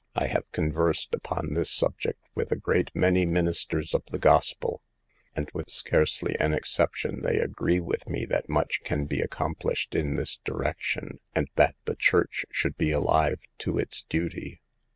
I have conversed upon this subject with a great many HOW TO SAVE OUR ERRING SISTERS. 237 ministers of the Gospel, and with scarcely an exception they agree with me that much can be accomplished in this direction, and that the church should be alive to its duty.